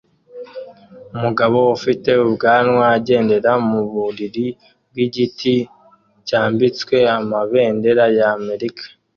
Umugabo ufite ubwanwa agendera mu buriri bwigiti cyambitswe amabendera ya Amerika